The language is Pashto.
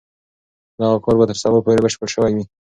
دغه کار به تر سبا پورې بشپړ سوی وي.